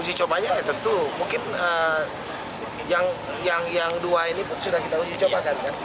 uji cobanya ya tentu mungkin yang dua ini pun sudah kita uji coba kan